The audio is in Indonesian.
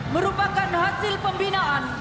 merupakan hasil pembinaan